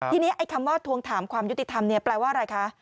ทีนี้ไอ้คำว่าทวงถามความยุติธรรมแปลว่าอะไรคะ